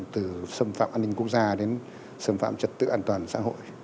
từ xâm phạm an ninh quốc gia đến xâm phạm trật tự an toàn xã hội